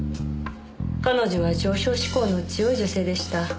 彼女は上昇志向の強い女性でした。